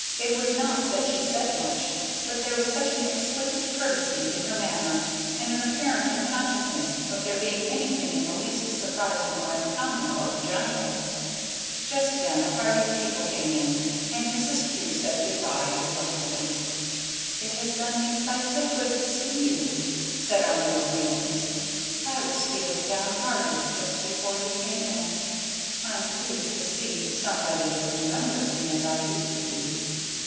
It was not that she said much, but there was such an exquisite courtesy in her manner, and an apparent unconsciousness of there being anything in the least surprising or uncommon about the giantess. Just then a party of people came in, and Mrs. Kew said good by reluctantly. "It has done me sights of good to see you," said our new acquaintance; "I was feeling down hearted just before you came in. I'm pleased to see somebody that remembers me as I used to be."